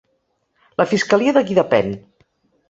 La fiscalia de qui depèn?